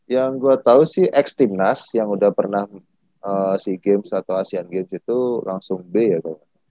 yang gue tau sih ex team nas yang udah pernah si games atau asian games itu langsung b ya kalau